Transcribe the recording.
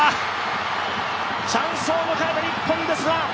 チャンスを迎えた日本ですが。